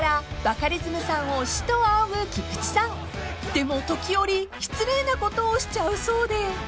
［でも時折失礼なことをしちゃうそうで］